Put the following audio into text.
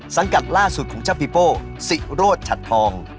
สังกัดล่าสุดของเจ้าปิปโป้ศรี่โรดชัดทอง